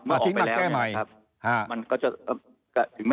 อาทิตย์มันแก้ใหม่